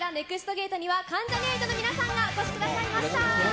ゲートには、関ジャニ∞の皆さんがお越しくださいました。